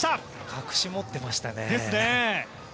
隠し持ってましたね。